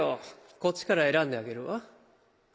こっちから選んであげるわ。